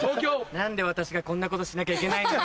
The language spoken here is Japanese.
何で私がこんなことしなきゃいけないのよ。